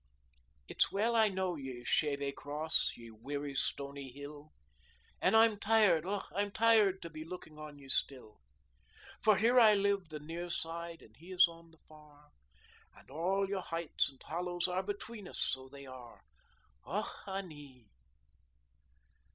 "It's well I know ye, Shevè Cross, ye weary, stony hill, An' I'm tired, och, I'm tired to be looking on ye still. For here I live the near side an' he is on the far, An' all your heights and hollows are between us, so they are. Och anee!"